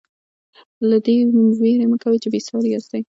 له دې وېرې مه کوئ چې بې ساري یاستئ.